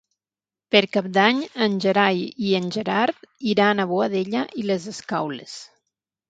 Per Cap d'Any en Gerai i en Gerard iran a Boadella i les Escaules.